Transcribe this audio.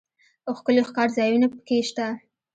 ښکلي ښکارځایونه پکښې شته.